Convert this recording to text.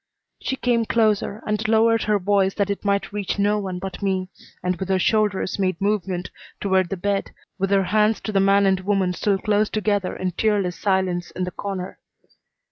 She came closer and lowered her voice that it might reach no one but me, and with her shoulders made movement toward the bed, with her hands to the man and woman still close together in tearless silence in the corner.